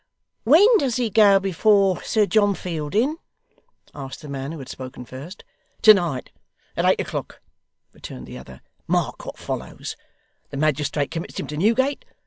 'When does he go before Sir John Fielding?' asked the man who had spoken first. 'To night at eight o'clock,' returned the other. 'Mark what follows. The magistrate commits him to Newgate.